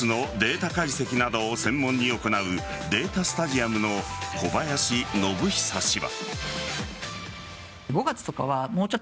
スポーツのデータ解析などを専門に行うデータスタジアムの小林展久氏は。